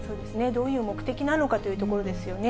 どういう目的なのかというところですよね。